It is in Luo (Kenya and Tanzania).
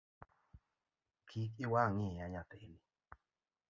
Kik iwang’ iya nyathini.